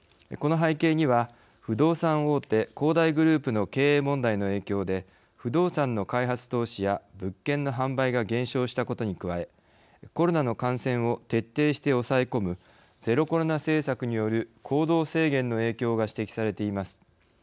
この背景には不動産大手、恒大グループの経営問題の影響で不動産の開発投資や物件の販売が減少したことに加えコロナの感染を徹底して抑え込むゼロコロナ政策による行動制限の影響が指摘されています。